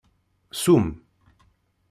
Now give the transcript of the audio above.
Summ.